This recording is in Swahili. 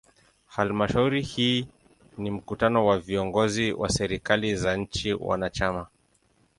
Halmashauri hii ni mkutano wa viongozi wa serikali za nchi wanachama.